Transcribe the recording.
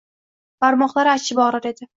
Barmoqlari achishib og‘rir edi.